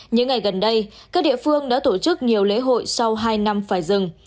những ngày gần đây các địa phương đã tổ chức nhiều lễ hội sau hai năm phải dừng